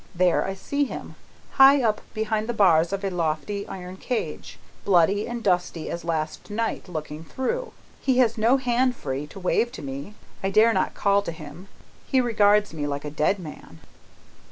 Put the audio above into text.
There I see him, high up, behind the bars of a lofty iron cage, bloody and dusty as last night, looking through. He has no hand free, to wave to me; I dare not call to him; he regards me like a dead man."